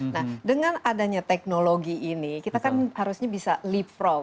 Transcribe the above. nah dengan adanya teknologi ini kita kan harusnya bisa leapfrog